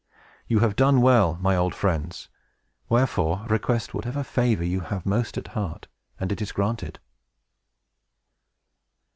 You have done well, my dear old friends. Wherefore, request whatever favor you have most at heart, and it is granted."